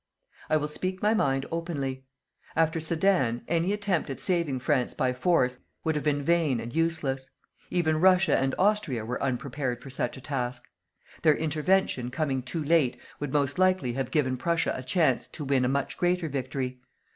I will speak my mind openly. After Sedan, any attempt at saving France by force would have been vain and useless. Even Russia and Austria were unprepared for such a task. Their intervention, coming too late, would most likely have given Prussia a chance to win a much greater victory.